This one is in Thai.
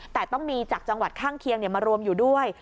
แต่ต้องมีจากจังหวัดข้างเคียงมารวมอยู่ด้วย